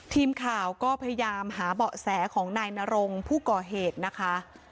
ทีมข่าวก็พยายามหาเบาะแสของนายนรงผู้ก่อเหตุนะคะ